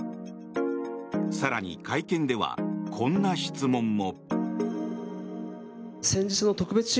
更に会見では、こんな質問も。